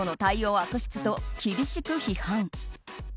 悪質と厳しく批判。